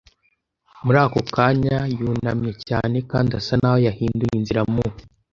Muri ako kanya, yunamye cyane kandi asa naho yahinduye inzira. mu